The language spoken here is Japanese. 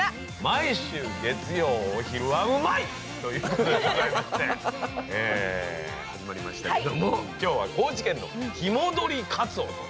毎週月曜お昼は「うまいッ！」ということでございまして始まりましたけども今日は高知県の「日戻りかつお」と。